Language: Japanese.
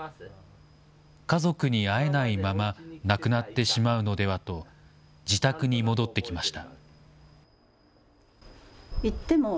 家族に会えないまま、亡くなってしまうのではと、自宅に戻ってきました。